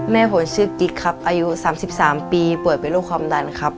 แม่ผมชื่อกิ๊กครับอายุ๓๓ปีป่วยเป็นโรคความดันครับ